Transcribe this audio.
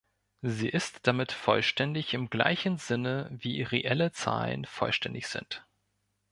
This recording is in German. Sie ist damit vollständig im gleichen Sinne, wie reelle Zahlen vollständig sind.